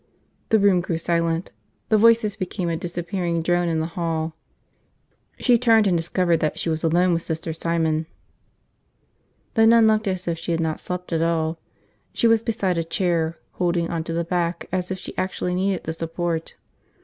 The room grew silent, the voices became a disappearing drone in the hall. She turned, and discovered that she was alone with Sister Simon. The nun looked as if she had not slept at all. She was beside a chair, holding on to the back as if she actually needed the support.